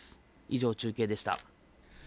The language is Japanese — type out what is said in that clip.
以上、中継でした。